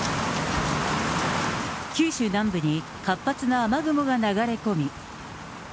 九州南部に活発な雨雲が流れ込み。